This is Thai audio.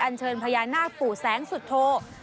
อันเชิญพญานาคปู่แสงสุดโทค่ะ